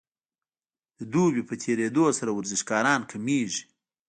د دوبي په تیریدو سره ورزشکاران کمیږي